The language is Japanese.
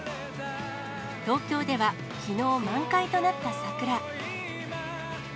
東京ではきのう満開となった桜。